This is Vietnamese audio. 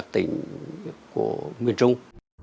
tình của miền trung